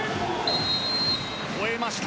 ほえました。